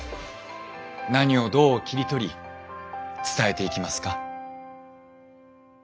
何をどう切り取り伝えていきますか？